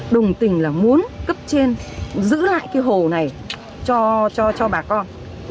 đồng tình là muốn cấp trên giữ lại cái hồ này cho bà con